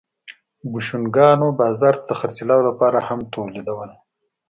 بوشونګانو بازار ته د خرڅلاو لپاره هم تولیدول